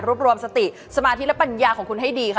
รวมรวมสติสมาธิและปัญญาของคุณให้ดีค่ะ